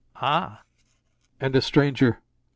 "Ah!" "And a stranger.